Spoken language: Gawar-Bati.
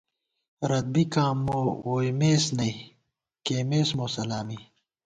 رت بِکاں مو ووئیمېس نئ، کېئیمېس مو سلامی